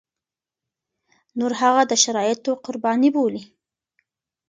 نور هغه د شرايطو قرباني بولي.